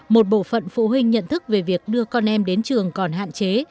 một bộ phận phụ huynh nhận thức về việc đưa con em đến trường còn hạn chế